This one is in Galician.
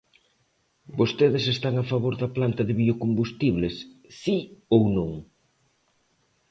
¿Vostedes están a favor da planta de biocombustibles, si ou non?